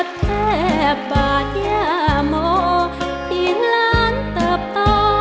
แทบบาทยาโมที่ล้านเติบต่อ